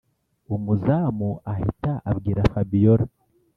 umuzamu ahita abwira fabiora